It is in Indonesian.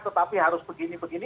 tetapi harus begini begini